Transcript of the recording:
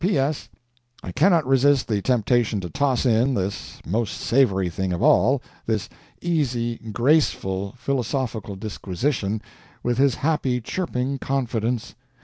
P.S. I cannot resist the temptation to toss in this most savory thing of all this easy, graceful, philosophical disquisition, with his happy, chirping confidence.